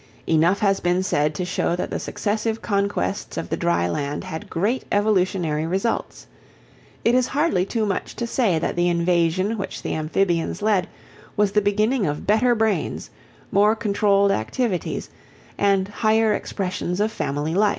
Enough has been said to show that the successive conquests of the dry land had great evolutionary results. It is hardly too much to say that the invasion which the Amphibians led was the beginning of better brains, more controlled activities, and higher expressions of family life.